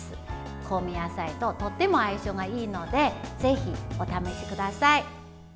香味野菜ととっても相性がいいのでぜひ、お試しください。